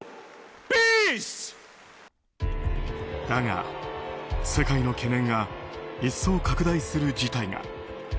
だが、世界の懸念が一層拡大する事態が。